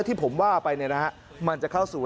ที่ผมว่าไปเนี่ยนะครับมันจะเข้าสู่